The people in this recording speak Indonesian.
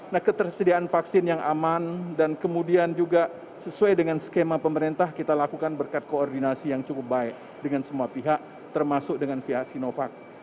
nah ketersediaan vaksin yang aman dan kemudian juga sesuai dengan skema pemerintah kita lakukan berkat koordinasi yang cukup baik dengan semua pihak termasuk dengan pihak sinovac